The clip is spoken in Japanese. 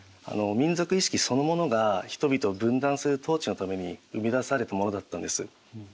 民族意識そのものが人々を分断する統治のために生み出されたものだったんです。